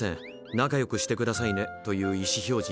仲よくしてくださいね」という意思表示になる。